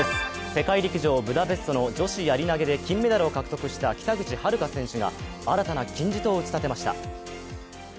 世界陸上ブダペストの女子やり投げで金メダルを獲得した北口榛花選手が新たな金字塔を打ち立てました